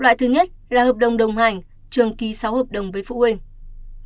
loại thứ nhất là hợp đồng đồng hành trường ký sáu hợp đồng với phụ huynh